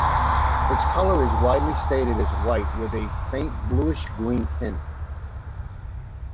Its colour is widely stated as white with a faint bluish-green tinge.